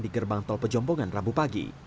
di gerbang tol pejombongan rabu pagi